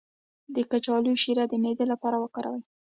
د کچالو شیره د معدې لپاره وکاروئ